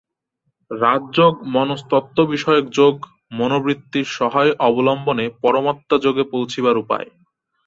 রাজযোগ মনস্তত্ত্ববিষয়ক যোগ, মনোবৃত্তির সহায়-অবলম্বনে পরমাত্মযোগে পৌঁছিবার উপায়।